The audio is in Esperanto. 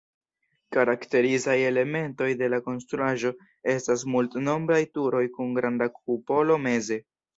Karakterizaj elementoj de la konstruaĵo estas multnombraj turoj kun granda kupolo meze.